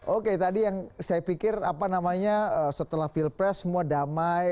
oke tadi yang saya pikir apa namanya setelah pilpres semua damai